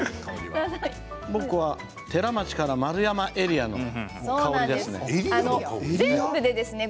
僕は寺町から丸山エリアの香りですね。